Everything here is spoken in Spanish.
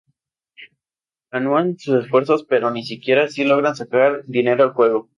Aúnan sus esfuerzos pero ni siquiera así logran sacar dinero al juego.